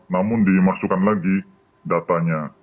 namun dimasukkan lagi datanya